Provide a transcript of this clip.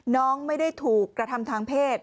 น้องไม่ได้ถูกกระทำทางเพศ